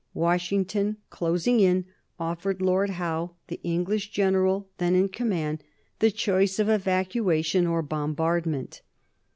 Washington, closing in, offered Lord Howe, the English general then in command, the choice of evacuation or bombardment.